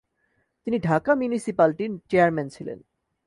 তিনি ঢাকা মিউনিসিপালটির চেয়ারম্যান ছিলেন।